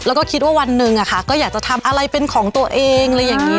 แล้วก็คิดว่าวันหนึ่งค่ะก็อยากจะทำอะไรเป็นของตัวเอง